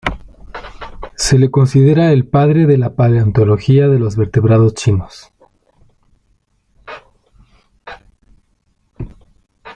Se le considera el "padre de paleontología de los vertebrados chinos".